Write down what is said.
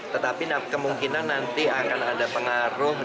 tetapi kemungkinan nanti akan ada pengaruh di bulan